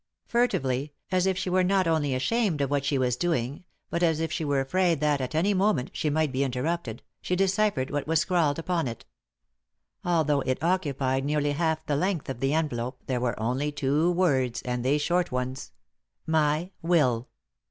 Furtively, as if she were not only ashamed of what she was doing, but as if she were alraid that, at any moment, she might be in terrupted, she deciphered what was scrawled upon it. Although it occupied nearly half the length of the envelope, there were only two words — and they short ones. " My Will.'